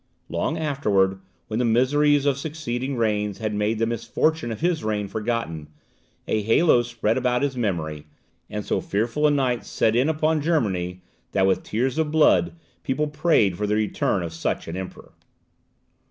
Long afterwards, when the miseries of succeeding reigns had made the misfortunes of his reign forgotten, a halo spread about his memory, and so fearful a night set in upon Germany, that, with tears of blood, people prayed for the return of such an emperor.